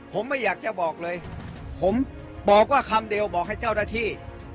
ผมไม่อยากจะบอกเลยผมบอกว่าคำเดียวบอกให้เจ้าหน้าที่